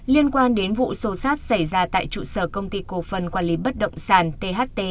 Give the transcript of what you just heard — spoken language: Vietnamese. liên quan đến vụ xô xát xảy ra tại trụ sở công ty cổ phần quản lý bất động sản tht